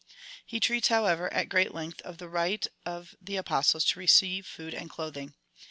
He treats, however, at great length of the right of the Apostles to receive food and clothing.